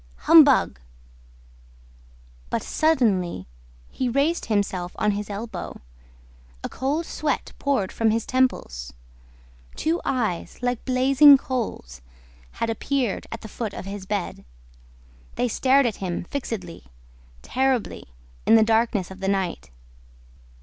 ... Humbug!" But, suddenly, he raised himself on his elbow. A cold sweat poured from his temples. Two eyes, like blazing coals, had appeared at the foot of his bed. They stared at him fixedly, terribly, in the darkness of the night.